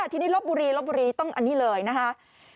ทีนี้ลบบุรีลบบุรีต้องอันนี้เลยนะคะ